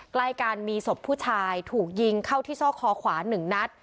ใกล้กันมีศพผู้ชายถูกยิงเข้าที่ซ่อคอขวา๑นัด